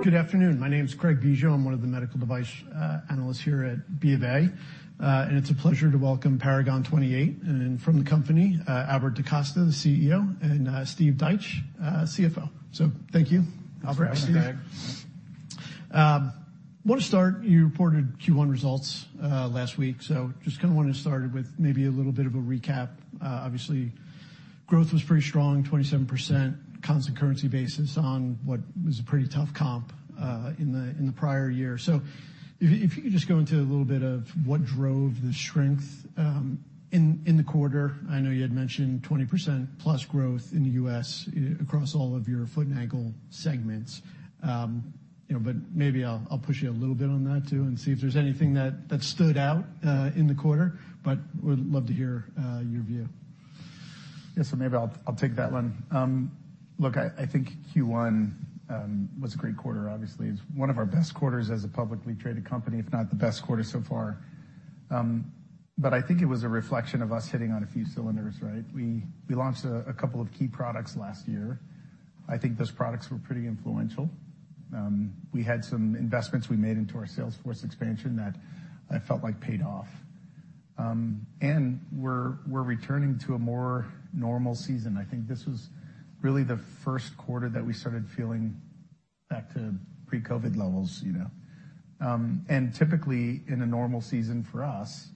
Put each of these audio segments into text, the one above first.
Good afternoon. My name is Craig Bijou. I'm one of the medical device analysts here at BofA. It's a pleasure to welcome Paragon 28. From the company, Albert DaCosta, the CEO, and Steve Deitsch, CFO. Thank you, Albert and Steve. Thanks for having me back. Want to start, you reported Q1 results last week. Just kinda wanna start it with maybe a little bit of a recap. Obviously, growth was pretty strong, 27% constant currency basis on what was a pretty tough comp in the prior year. If you could just go into a little bit of what drove the strength in the quarter. I know you had mentioned 20%+ growth in the U.S., across all of your foot and ankle segments. You know, but maybe I'll push you a little bit on that too and see if there's anything that stood out in the quarter, but would love to hear your view. Yes. Maybe I'll take that one. look, I think Q1 was a great quarter, obviously. It's one of our best quarters as a publicly traded company, if not the best quarter so far. I think it was a reflection of us hitting on a few cylinders, right? We launched a couple of key products last year. I think those products were pretty influential. We had some investments we made into our sales force expansion that I felt like paid off. We're returning to a more normal season. I think this was really the first quarter that we started feeling back to pre-COVID levels, you know. Typically in a normal season for us,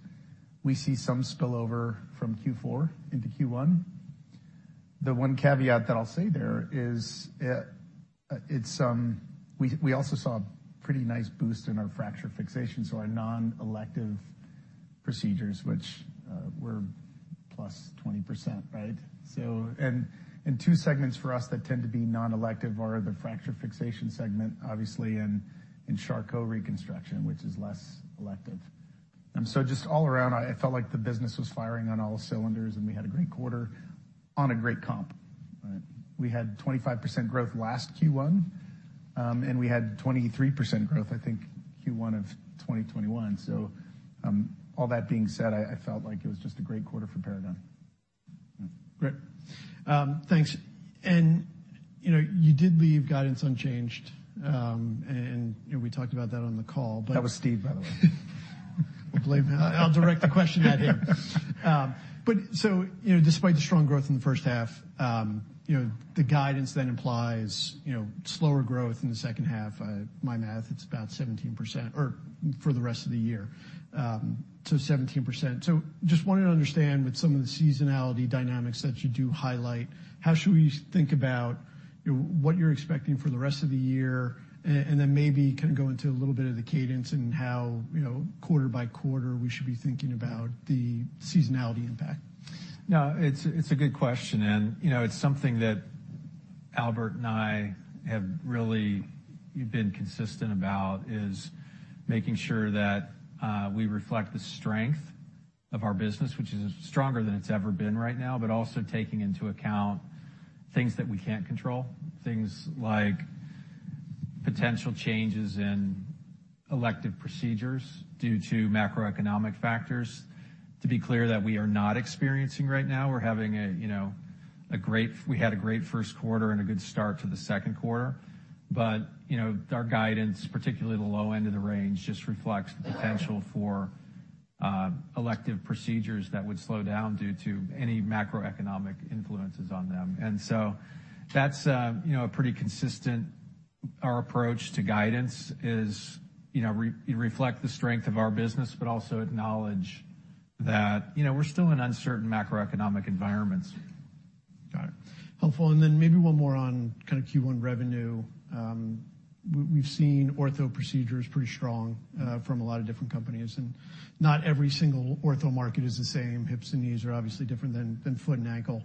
we see some spillover from Q4 into Q1. The one caveat that I'll say there is, it's, we also saw a pretty nice boost in our fracture fixation, so our non-elective procedures, which were plus 20%, right? Two segments for us that tend to be non-elective are the fracture fixation segment, obviously, and in Charcot reconstruction, which is less elective. Just all around, it felt like the business was firing on all cylinders, and we had a great quarter on a great comp. We had 25% growth last Q1, and we had 23% growth, I think, Q1 of 2021. All that being said, I felt like it was just a great quarter for Paragon. Great. Thanks. You know, you did leave guidance unchanged, and we talked about that on the call. That was Steve, by the way. We'll blame him. I'll direct the question at him. You know, despite the strong growth in the first half, you know, the guidance then implies, you know, slower growth in the second half. My math, it's about 17% or for the rest of the year, so 17%. Just wanted to understand with some of the seasonality dynamics that you do highlight, how should we think about what you're expecting for the rest of the year, and then maybe kinda go into a little bit of the cadence and how, you know, quarter by quarter, we should be thinking about the seasonality impact. No, it's a good question. you know, it's something that Albert and I have really been consistent about, is making sure that we reflect the strength of our business, which is stronger than it's ever been right now, but also taking into account things that we can't control, things like potential changes in elective procedures due to macroeconomic factors. To be clear that we are not experiencing right now. We're having, you know, we had a great first quarter and a good start to the second quarter. you know, our guidance, particularly the low end of the range, just reflects the potential for elective procedures that would slow down due to any macroeconomic influences on them. that's, you know, a pretty consistent... Our approach to guidance is, you know, re-reflect the strength of our business, but also acknowledge that, you know, we're still in uncertain macroeconomic environments. Got it. Helpful. Maybe one more on kinda Q1 revenue. We've seen ortho procedures pretty strong from a lot of different companies, and not every single ortho market is the same. Hips and knees are obviously different than foot and ankle.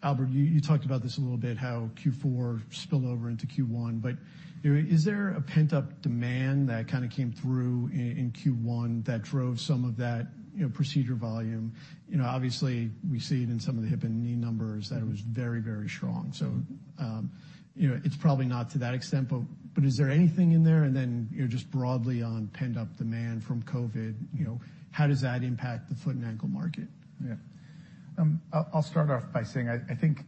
Albert, you talked about this a little bit, how Q4 spilled over into Q1. You know, is there a pent-up demand that kinda came through in Q1 that drove some of that, you know, procedure volume? You know, obviously, we see it in some of the hip and knee numbers. That was very strong. You know, it's probably not to that extent, but is there anything in there? You know, just broadly on pent-up demand from COVID, you know, how does that impact the foot and ankle market? Yeah. I'll start off by saying I think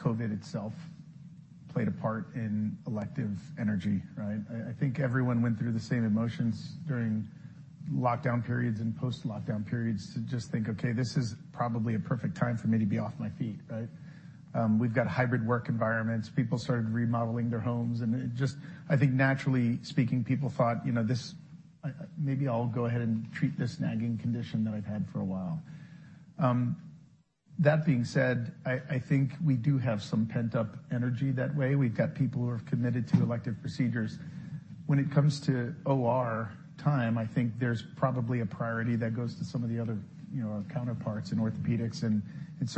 COVID itself played a part in elective energy, right? I think everyone went through the same emotions during lockdown periods and post-lockdown periods to just think, okay, this is probably a perfect time for me to be off my feet, right? We've got hybrid work environments. People started remodeling their homes. Just, I think naturally speaking, people thought, you know, maybe I'll go ahead and treat this nagging condition that I've had for a while. That being said, I think we do have some pent-up energy that way. We've got people who have committed to elective procedures. When it comes to OR time, I think there's probably a priority that goes to some of the other, you know, counterparts in orthopedics.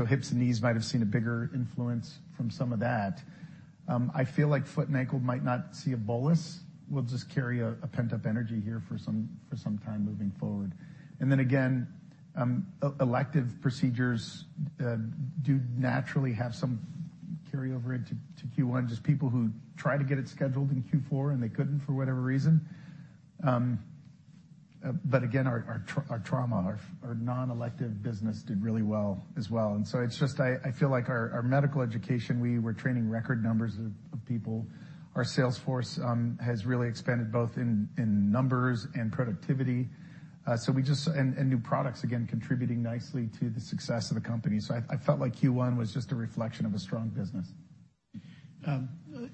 Hips and knees might have seen a bigger influence from some of that. I feel like foot and ankle might not see a bolus. We'll just carry a pent-up energy here for some time moving forward. Again, elective procedures do naturally have some carryover into Q1, just people who try to get it scheduled in Q4 and they couldn't for whatever reason. Again, our trauma, our nonelective business did really well as well. It's just I feel like our medical education, we were training record numbers of people. Our sales force has really expanded both in numbers and productivity. New products, again, contributing nicely to the success of the company. I felt like Q1 was just a reflection of a strong business. A,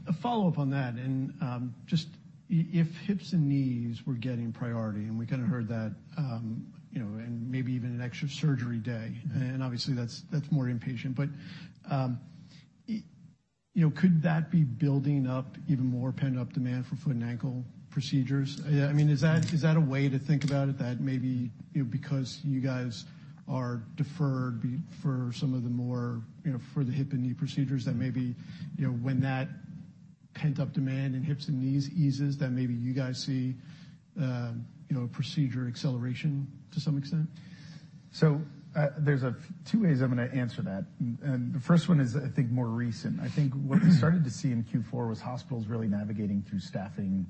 a follow-up on that and just if hips and knees were getting priority, and we kind of heard that, you know, and maybe even an extra surgery day, and obviously that's more inpatient. You know, could that be building up even more pent-up demand for foot and ankle procedures? I mean, is that, is that a way to think about it that maybe, you know, because you guys are deferred for some of the more, you know, for the hip and knee procedures that maybe, you know, when that pent-up demand in hips and knees eases, that maybe you guys see, you know, procedure acceleration to some extent? There's 2 ways I'm gonna answer that. The first one is, I think, more recent. I think what we started to see in Q4 was hospitals really navigating through staffing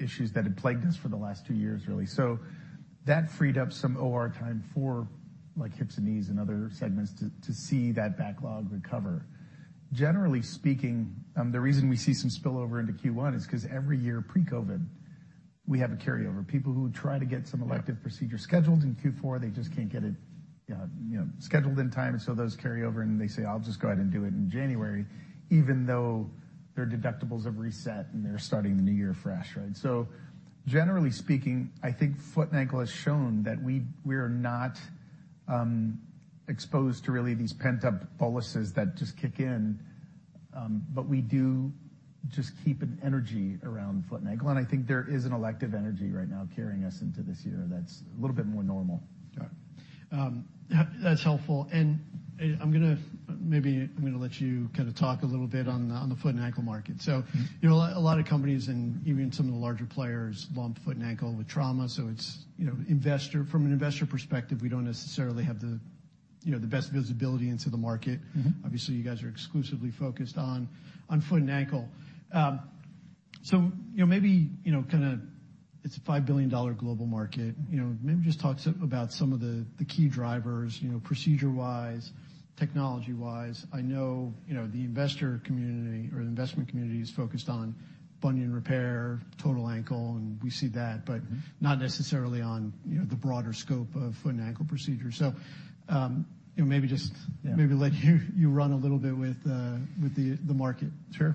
issues that had plagued us for the last 2 years, really. That freed up some OR time for, like, hips and knees and other segments to see that backlog recover. Generally speaking, the reason we see some spillover into Q1 is 'cause every year pre-COVID, we have a carryover. People who try to get some elective procedures scheduled in Q4, they just can't get it, you know, scheduled in time, those carry over, and they say, "I'll just go ahead and do it in January," even though their deductibles have reset and they're starting the new year fresh, right? Generally speaking, I think foot and ankle has shown that we are not exposed to really these pent-up boluses that just kick in, but we do just keep an energy around foot and ankle. I think there is an elective energy right now carrying us into this year that's a little bit more normal. Got it. That's helpful. I'm gonna let you kinda talk a little bit on the foot and ankle market. You know, a lot of companies and even some of the larger players lump foot and ankle with trauma, so it's, you know, investor from an investor perspective, we don't necessarily have the, you know, the best visibility into the market. Mm-hmm. Obviously, you guys are exclusively focused on foot and ankle. You know, maybe, you know, it's a $5 billion global market, you know, maybe just talk about some of the key drivers, you know, procedure-wise, technology-wise. I know, you know, the investor community or the investment community is focused on bunion repair, total ankle, and we see that, but not necessarily on, you know, the broader scope of foot and ankle procedures. You know, maybe. Yeah. maybe let you run a little bit with the market. Sure.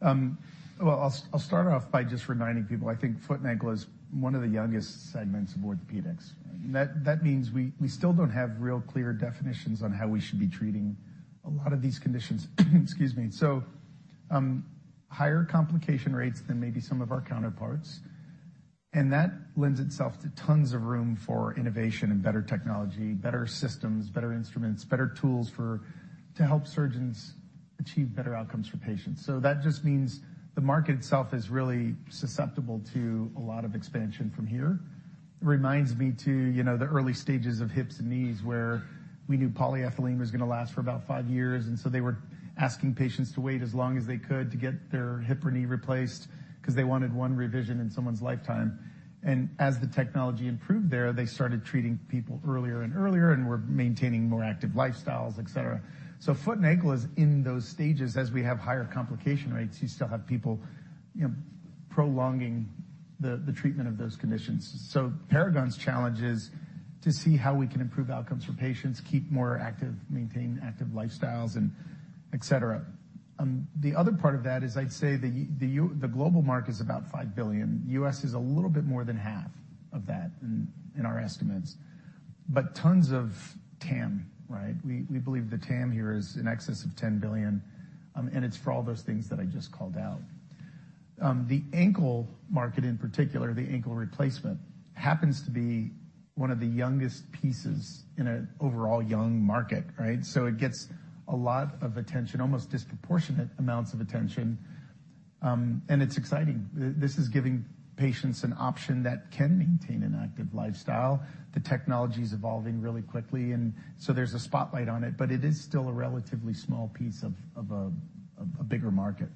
Well, I'll start off by just reminding people, I think foot and ankle is one of the youngest segments of orthopedics. That means we still don't have real clear definitions on how we should be treating a lot of these conditions. Excuse me. Higher complication rates than maybe some of our counterparts, and that lends itself to tons of room for innovation and better technology, better systems, better instruments, better tools for, to help surgeons achieve better outcomes for patients. That just means the market itself is really susceptible to a lot of expansion from here. It reminds me to, you know, the early stages of hips and knees, where we knew polyethylene was gonna last for about five years, they were asking patients to wait as long as they could to get their hip or knee replaced 'cause they wanted one revision in someone's lifetime. As the technology improved there, they started treating people earlier and earlier and were maintaining more active lifestyles, et cetera. Foot and ankle is in those stages. As we have higher complication rates, you still have people, you know, prolonging the treatment of those conditions. Paragon's challenge is to see how we can improve outcomes for patients, keep more active, maintain active lifestyles, and et cetera. The other part of that is I'd say the global market is about $5 billion. U.S. is a little bit more than half of that in our estimates. Tons of TAM, right? We believe the TAM here is in excess of $10 billion, and it's for all those things that I just called out. The ankle market in particular, the ankle replacement, happens to be one of the youngest pieces in an overall young market, right? It gets a lot of attention, almost disproportionate amounts of attention, and it's exciting. This is giving patients an option that can maintain an active lifestyle. The technology's evolving really quickly and so there's a spotlight on it, but it is still a relatively small piece of a bigger market.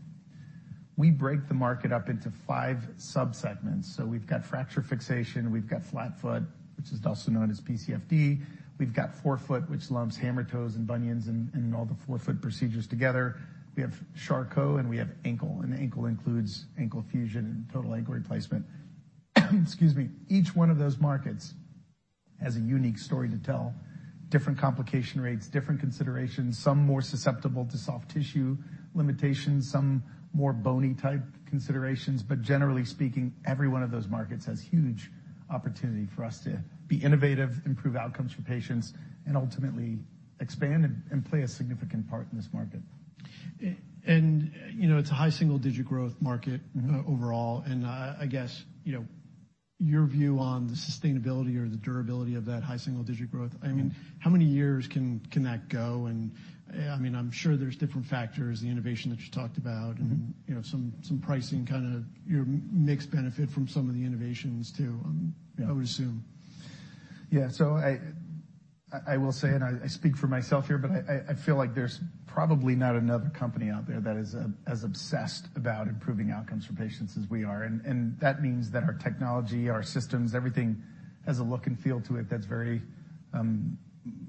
We break the market up into five sub-segments. We've got fracture fixation, we've got flat foot, which is also known as PCFD. We've got forefoot, which lumps hammer toes and bunions and all the forefoot procedures together. We have Charcot. We have ankle, and ankle includes ankle fusion and total ankle replacement. Excuse me. Each one of those markets has a unique story to tell, different complication rates, different considerations, some more susceptible to soft tissue limitations, some more bony type considerations. Generally speaking, every one of those markets has huge opportunity for us to be innovative, improve outcomes for patients, and ultimately expand and play a significant part in this market. You know, it's a high single-digit growth market overall. I guess, you know, your view on the sustainability or the durability of that high single-digit growth. I mean, how many years can that go? I mean, I'm sure there's different factors, the innovation that you talked about and, you know, some pricing kind of your mixed benefit from some of the innovations too, I would assume. I will say, and I speak for myself here, but I, I feel like there's probably not another company out there that is as obsessed about improving outcomes for patients as we are. That means that our technology, our systems, everything has a look and feel to it that's very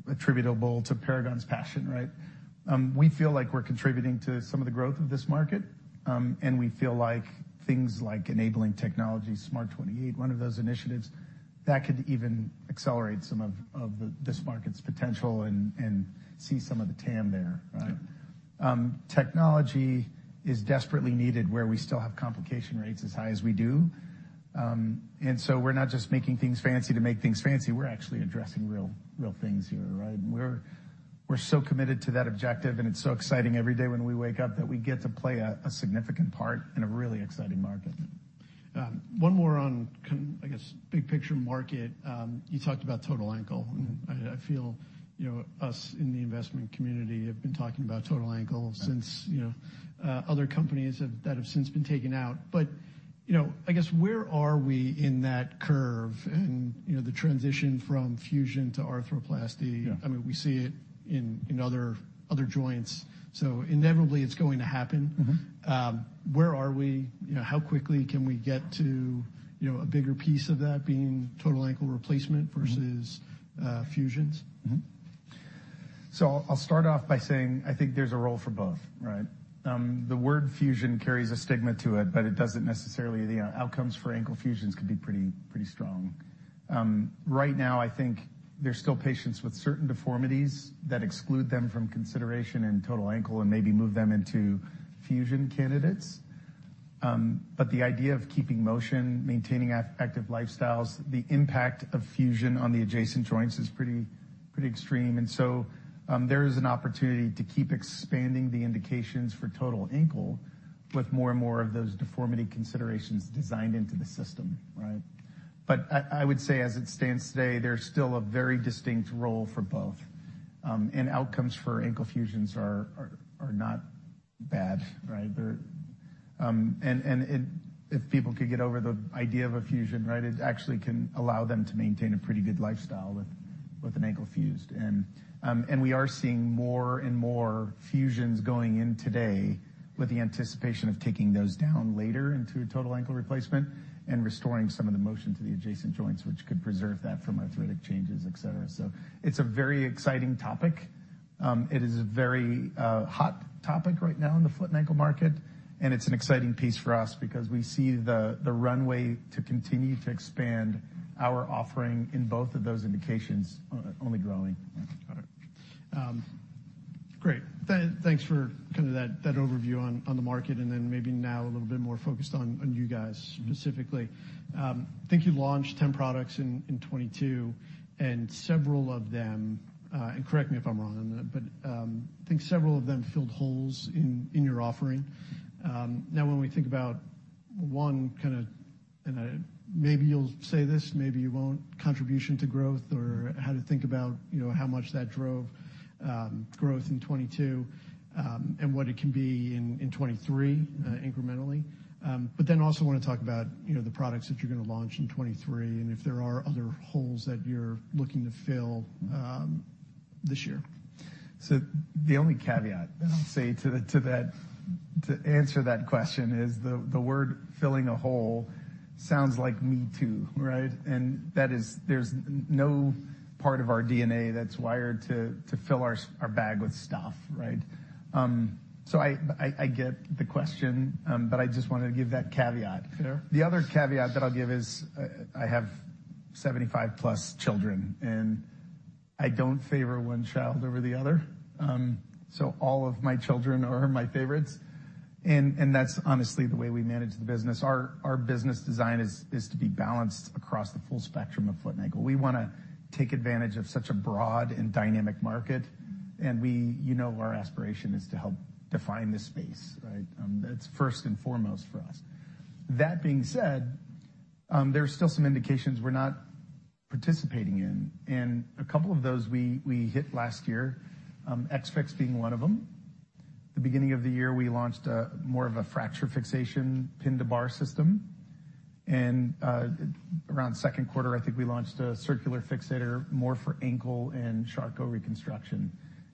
attributable to Paragon's passion, right? We feel like we're contributing to some of the growth of this market, and we feel like things like enabling technologies, SMART 28, one of those initiatives, that could even accelerate some of this market's potential and see some of the TAM there, right? Sure. Technology is desperately needed where we still have complication rates as high as we do. We're not just making things fancy to make things fancy, we're actually addressing real things here, right? We're so committed to that objective, and it's so exciting every day when we wake up that we get to play a significant part in a really exciting market. One more on kind of, I guess, big picture market. You talked about total ankle, I feel, you know, us in the investment community have been talking about total ankle since, you know, other companies that have since been taken out. You know, I guess, where are we in that curve in, you know, the transition from fusion to arthroplasty? Yeah. I mean, we see it in other joints, so inevitably it's going to happen. Mm-hmm. Where are we? You know, how quickly can we get to, you know, a bigger piece of that being total ankle replacement? Mm-hmm. -versus, fusions? I'll start off by saying I think there's a role for both, right? The word fusion carries a stigma to it, but it doesn't necessarily. The outcomes for ankle fusions could be pretty strong. Right now I think there's still patients with certain deformities that exclude them from consideration in total ankle and maybe move them into fusion candidates. The idea of keeping motion, maintaining active lifestyles, the impact of fusion on the adjacent joints is pretty extreme. There is an opportunity to keep expanding the indications for total ankle with more and more of those deformity considerations designed into the system, right? I would say as it stands today, there's still a very distinct role for both, and outcomes for ankle fusions are not bad, right? If people could get over the idea of a fusion, right, it actually can allow them to maintain a pretty good lifestyle with an ankle fused. We are seeing more and more fusions going in today with the anticipation of taking those down later into a total ankle replacement and restoring some of the motion to the adjacent joints, which could preserve that from arthritic changes, et cetera. It's a very exciting topic. It is a very hot topic right now in the foot and ankle market, and it's an exciting piece for us because we see the runway to continue to expand our offering in both of those indications only growing. Got it. Great. Thanks for kind of that overview on the market. Then maybe now a little bit more focused on you guys specifically. I think you launched 10 products in 2022, and several of them, and correct me if I'm wrong on that, but I think several of them filled holes in your offering. Now when we think about one kind of, and maybe you'll say this, maybe you won't, contribution to growth or how to think about, you know, how much that drove growth in 2022, and what it can be in 2023 incrementally. Then also wanna talk about, you know, the products that you're gonna launch in 2023, and if there are other holes that you're looking to fill this year. The only caveat I'll say to that to answer that question is the word filling a hole sounds like me too, right? That is there's no part of our DNA that's wired to fill our bag with stuff, right? I get the question, but I just wanted to give that caveat. Fair. The other caveat that I'll give is I have 75+ children, and I don't favor one child over the other. All of my children are my favorites, and that's honestly the way we manage the business. Our business design is to be balanced across the full spectrum of foot and ankle. We wanna take advantage of such a broad and dynamic market, and we you know our aspiration is to help define the space, right? That's first and foremost for us. That being said, there's still some indications we're not participating in, a couple of those we hit last year, XFIX being one of them. The beginning of the year, we launched a more of a fracture fixation pin to bar system. Around second quarter, I think we launched a circular fixator more for ankle and Charcot reconstruction.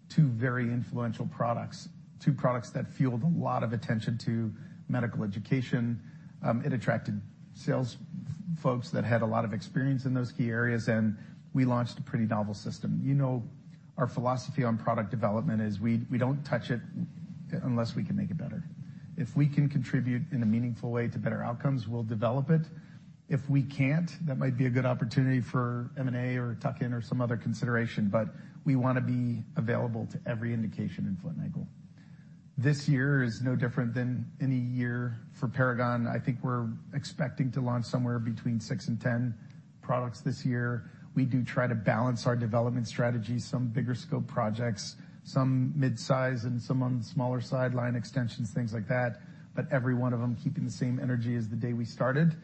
Two very influential products. Two products that fueled a lot of attention to medical education. It attracted sales folks that had a lot of experience in those key areas, and we launched a pretty novel system. You know, our philosophy on product development is we don't touch it unless we can make it better. If we can contribute in a meaningful way to better outcomes, we'll develop it. If we can't, that might be a good opportunity for M&A or a tuck-in or some other consideration. We wanna be available to every indication in foot and ankle. This year is no different than any year for Paragon. I think we're expecting to launch somewhere between 6 and 10 products this year. We do try to balance our development strategies, some bigger scope projects, some mid-size and some on the smaller side line extensions, things like that, but every one of them keeping the same energy as the day we started.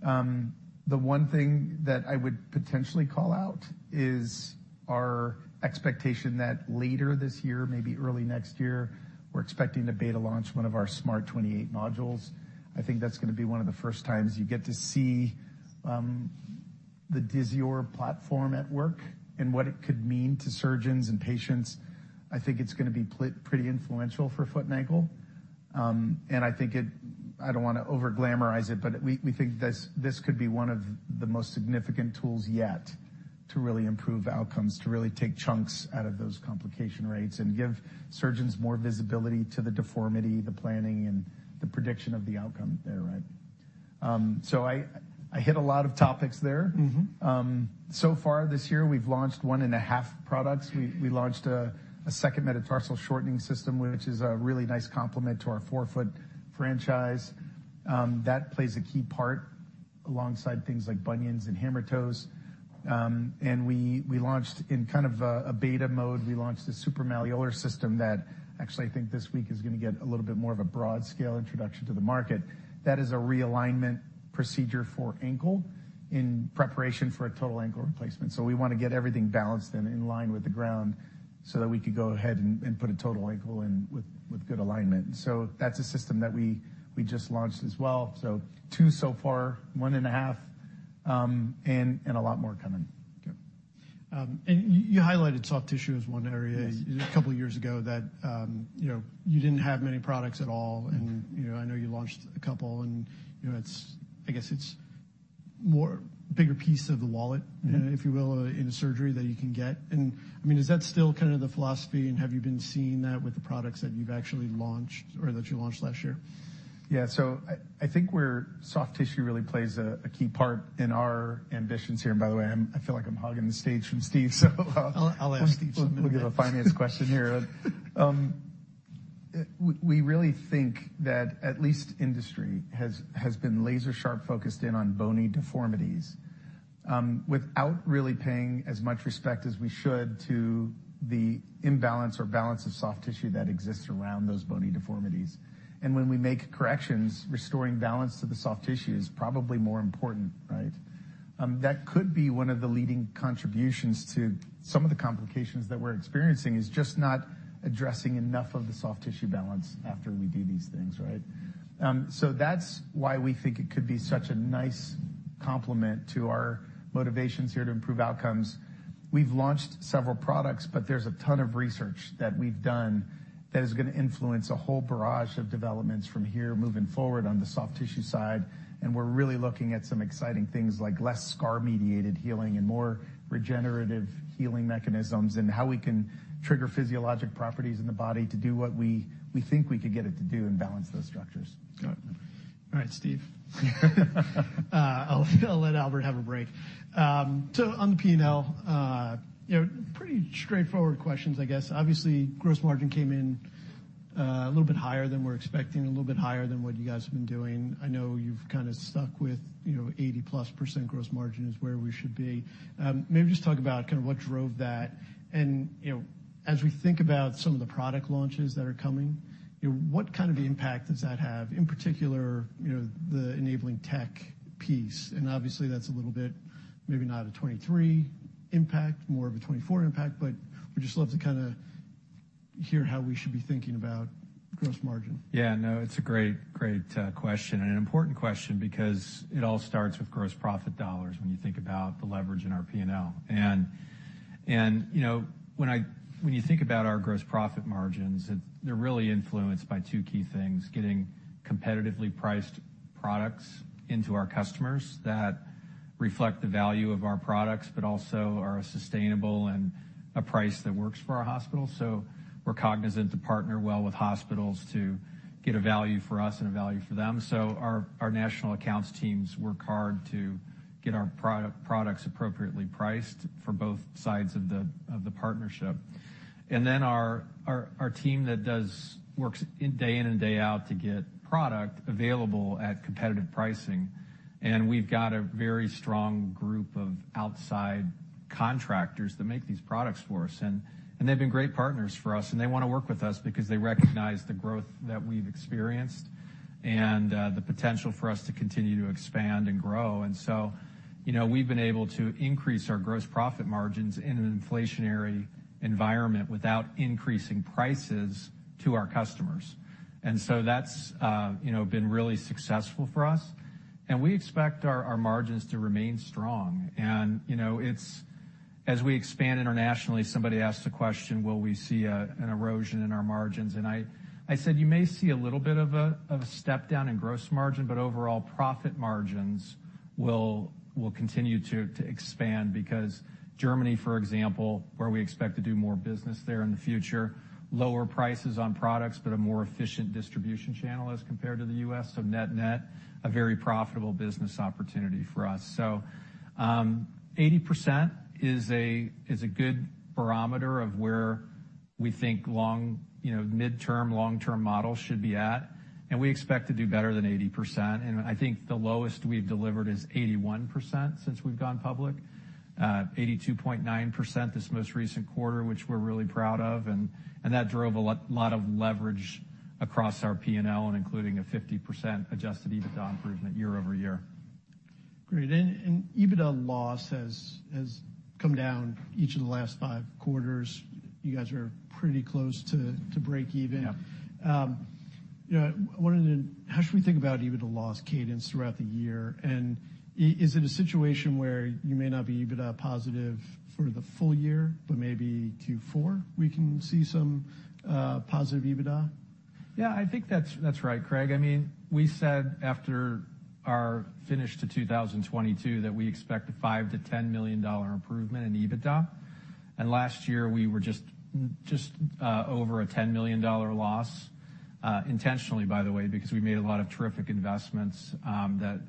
The one thing that I would potentially call out is our expectation that later this year, maybe early next year, we're expecting to beta launch one of our SMART 28 modules. I think that's gonna be one of the first times you get to see the Disior platform at work and what it could mean to surgeons and patients, I think it's gonna be pretty influential for foot and ankle. I think I don't wanna over-glamorize it, but we think this could be one of the most significant tools yet to really improve outcomes, to really take chunks out of those complication rates and give surgeons more visibility to the deformity, the planning, and the prediction of the outcome they're at. I hit a lot of topics there. Mm-hmm. So far this year, we've launched one and a half products. We launched a second metatarsal shortening system, which is a really nice complement to our forefoot franchise. That plays a key part alongside things like bunions and hammertoes. We launched in kind of a beta mode, we launched a supramalleolar system that actually I think this week is gonna get a little bit more of a broad scale introduction to the market. That is a realignment procedure for ankle in preparation for a total ankle replacement. We wanna get everything balanced and in line with the ground so that we could go ahead and put a total ankle in with good alignment. That's a system that we just launched as well. Two so far, one and a half, and a lot more coming. Yeah. You highlighted soft tissue as one area. Yes. A couple years ago that, you know, you didn't have many products at all. Mm-hmm. You know, I know you launched a couple and, you know, it's, I guess it's bigger piece of the wallet... Mm-hmm... if you will, in a surgery that you can get. I mean, is that still kind of the philosophy, and have you been seeing that with the products that you've actually launched or that you launched last year? Yeah. I think soft tissue really plays a key part in our ambitions here. By the way, I feel like I'm hogging the stage from Steve, so I'll ask Steve some in a minute. We'll get a finance question here. We really think that at least industry has been laser-sharp focused in on bony deformities, without really paying as much respect as we should to the imbalance or balance of soft tissue that exists around those bony deformities. When we make corrections, restoring balance to the soft tissue is probably more important, right? That could be one of the leading contributions to some of the complications that we're experiencing, is just not addressing enough of the soft tissue balance after we do these things right. That's why we think it could be such a nice complement to our motivations here to improve outcomes. We've launched several products, but there's a ton of research that we've done that is gonna influence a whole barrage of developments from here moving forward on the soft tissue side, and we're really looking at some exciting things like less scar-mediated healing and more regenerative healing mechanisms, and how we can trigger physiologic properties in the body to do what we think we could get it to do and balance those structures. Got it. All right, Steve. I'll let Albert have a break. On the P&L, you know, pretty straightforward questions, I guess. Obviously, gross margin came in a little bit higher than we're expecting, a little bit higher than what you guys have been doing. I know you've kind of stuck with, you know, 80%+ gross margin is where we should be. Maybe just talk about kind of what drove that. You know, as we think about some of the product launches that are coming, you know, what kind of impact does that have, in particular, you know, the enabling tech piece? Obviously, that's a little bit, maybe not a 2023 impact, more of a 2024 impact, but we'd just love to kinda hear how we should be thinking about gross margin. Yeah. No, it's a great question, and an important question because it all starts with gross profit dollars when you think about the leverage in our P&L. you know, when you think about our gross profit margins, they're really influenced by two key things, getting competitively priced products into our customers that reflect the value of our products, but also are sustainable and a price that works for our hospitals. We're cognizant to partner well with hospitals to get a value for us and a value for them. Our national accounts teams work hard to get our products appropriately priced for both sides of the partnership. Our team that works in day in and day out to get product available at competitive pricing. We've got a very strong group of outside contractors that make these products for us. They've been great partners for us, and they wanna work with us because they recognize the growth that we've experienced and the potential for us to continue to expand and grow. You know, we've been able to increase our gross profit margins in an inflationary environment without increasing prices to our customers. That's, you know, been really successful for us. We expect our margins to remain strong. You know, as we expand internationally, somebody asked a question, will we see an erosion in our margins? I said you may see a little bit of a step down in gross margin, but overall profit margins will continue to expand because Germany, for example, where we expect to do more business there in the future, lower prices on products, but a more efficient distribution channel as compared to the U.S., net-net, a very profitable business opportunity for us. 80% is a good barometer of where we think long, you know, midterm, long-term model should be at. We expect to do better than 80%. I think the lowest we've delivered is 81% since we've gone public. 82.9% this most recent quarter, which we're really proud of, and that drove a lot of leverage across our P&L and including a 50% adjusted EBITDA improvement year-over-year. Great. EBITDA loss has come down each of the last five quarters. You guys are pretty close to break even. Yeah. You know, how should we think about EBITDA loss cadence throughout the year? Is it a situation where you may not be EBITDA positive for the full year but maybe Q4 we can see some positive EBITDA? Yeah, I think that's right, Craig. I mean, we said after our finish to 2022 that we expect a $5 million-$10 million improvement in EBITDA. Last year, we were just over a $10 million loss, intentionally, by the way, because we made a lot of terrific investments that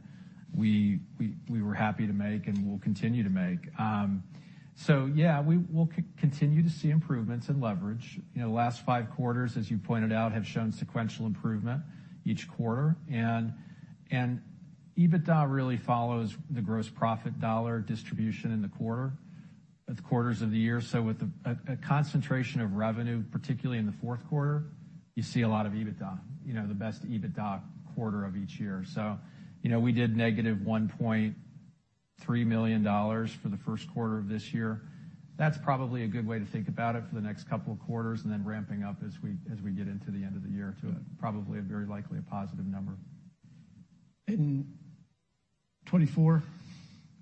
we were happy to make and will continue to make. Yeah, we will continue to see improvements in leverage. You know, the last 5 quarters, as you pointed out, have shown sequential improvement each quarter, and EBITDA really follows the gross profit dollar distribution in the quarters of the year. With a concentration of revenue, particularly in the fourth quarter, you see a lot of EBITDA, you know, the best EBITDA quarter of each year. You know, we did -$1.3 million for the 1st quarter of this year. That's probably a good way to think about it for the next couple of quarters and then ramping up as we get into the end of the year to probably a very likely a positive number. In 2024?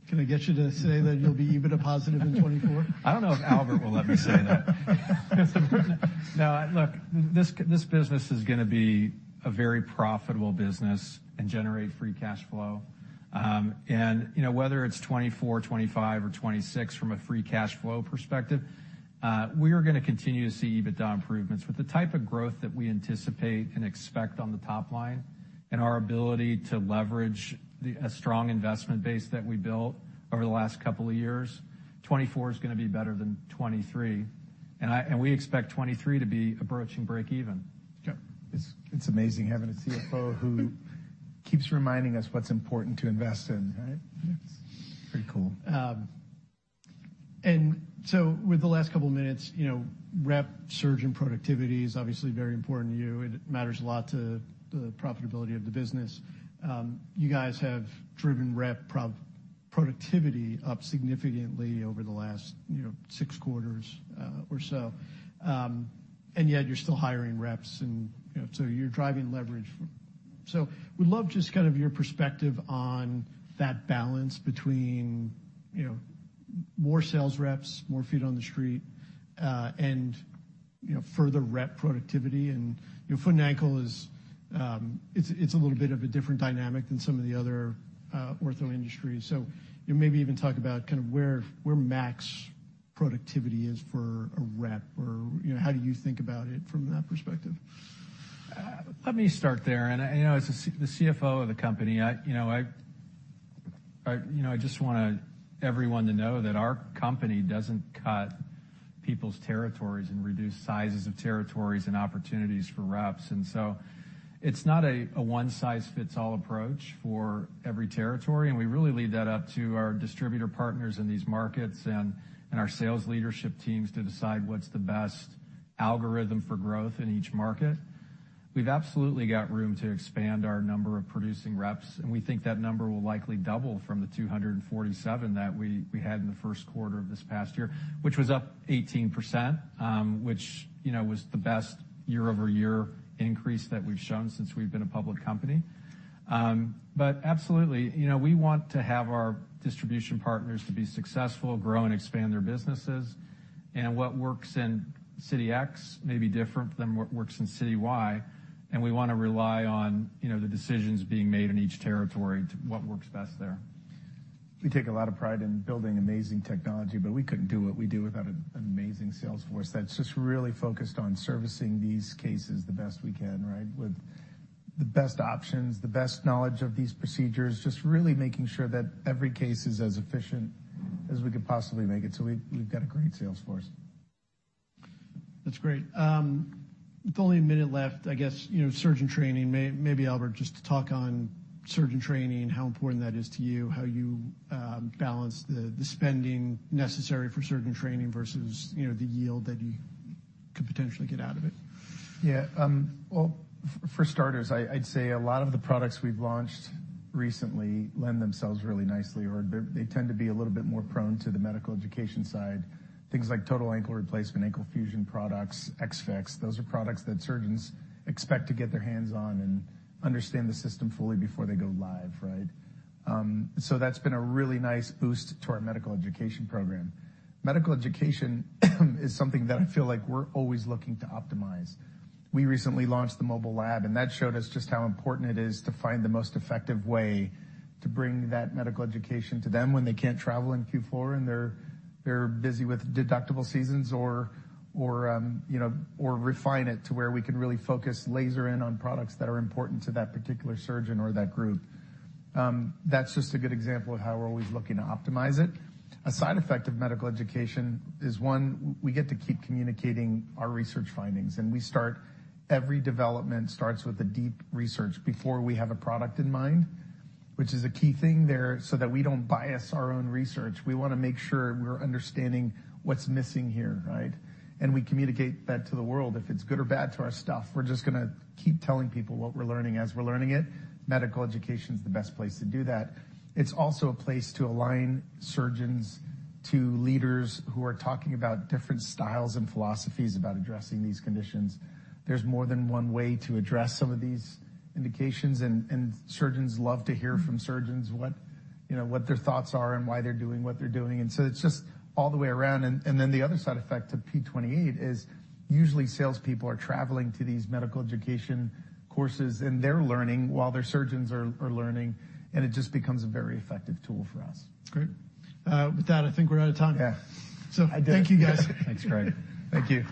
Can I get you to say that you'll be EBITDA positive in 2024? I don't know if Albert will let me say that. No, look, this business is gonna be a very profitable business and generate free cash flow. You know, whether it's 2024, 2025, or 2026 from a free cash flow perspective, we are gonna continue to see EBITDA improvements. With the type of growth that we anticipate and expect on the top line and our ability to leverage the, a strong investment base that we built over the last couple of years, 2024 is gonna be better than 2023, and we expect 2023 to be approaching break even. Okay. It's amazing having a CFO who keeps reminding us what's important to invest in, right? Yes. Pretty cool. With the last couple minutes, you know, rep surge and productivity is obviously very important to you. It matters a lot to the profitability of the business. You guys have driven rep pro-productivity up significantly over the last, you know, six quarters or so. Yet you're still hiring reps and, you know, you're driving leverage. Would love just kind of your perspective on that balance between, you know, more sales reps, more feet on the street, and, you know, further rep productivity. Foot and ankle is, it's a little bit of a different dynamic than some of the other ortho industries. You know, maybe even talk about kind of where max productivity is for a rep or, you know, how do you think about it from that perspective? Let me start there. I, you know, as the CFO of the company, I, you know, I just want everyone to know that our company doesn't cut people's territories and reduce sizes of territories and opportunities for reps. It's not a one-size-fits-all approach for every territory, and we really leave that up to our distributor partners in these markets and our sales leadership teams to decide what's the best algorithm for growth in each market. We've absolutely got room to expand our number of producing reps, and we think that number will likely double from the 247 that we had in the first quarter of this past year, which was up 18%, which, you know, was the best year-over-year increase that we've shown since we've been a public company. Absolutely, you know, we want to have our distribution partners to be successful, grow and expand their businesses, and what works in city X may be different than what works in city Y, and we wanna rely on, you know, the decisions being made in each territory to what works best there. We take a lot of pride in building amazing technology, we couldn't do what we do without an amazing sales force that's just really focused on servicing these cases the best we can, right? With the best options, the best knowledge of these procedures, just really making sure that every case is as efficient as we could possibly make it. We've got a great sales force. That's great. With only a minute left, I guess, you know, surgeon training, maybe Albert just to talk on surgeon training, how important that is to you, how you balance the spending necessary for surgeon training versus, you know, the yield that you could potentially get out of it. Well, for starters, I'd say a lot of the products we've launched recently lend themselves really nicely, or they're, they tend to be a little bit more prone to the medical education side. Things like total ankle replacement, ankle fusion products, XFIX, those are products that surgeons expect to get their hands on and understand the system fully before they go live, right? That's been a really nice boost to our medical education program. Medical education is something that I feel like we're always looking to optimize. We recently launched the mobile lab, and that showed us just how important it is to find the most effective way to bring that medical education to them when they can't travel in Q4 and they're busy with deductible seasons or, you know, or refine it to where we can really focus laser in on products that are important to that particular surgeon or that group. That's just a good example of how we're always looking to optimize it. A side effect of medical education is, one, we get to keep communicating our research findings, and every development starts with a deep research before we have a product in mind, which is a key thing there so that we don't bias our own research. We wanna make sure we're understanding what's missing here, right? We communicate that to the world. If it's good or bad to our stuff, we're just gonna keep telling people what we're learning as we're learning it. Medical education's the best place to do that. It's also a place to align surgeons to leaders who are talking about different styles and philosophies about addressing these conditions. There's more than one way to address some of these indications, and surgeons love to hear from surgeons what, you know, what their thoughts are and why they're doing what they're doing. It's just all the way around. Then the other side effect of P28 is usually salespeople are traveling to these medical education courses, and they're learning while their surgeons are learning, and it just becomes a very effective tool for us. Great. With that, I think we're out of time. Yeah. Thank you, guys. Thanks, Craig. Thank you.